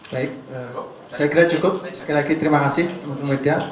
baik saya kira cukup sekali lagi terima kasih teman teman media